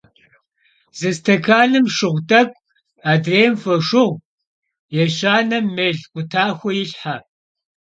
Zı stekanım şşığu t'ek'u, adrêym — foşşığu, yêşanem — mêl khutaxue yilhhe.